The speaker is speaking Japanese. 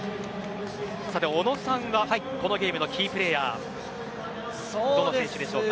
さて小野さんがこのゲームのキープレーヤーどの選手でしょうか。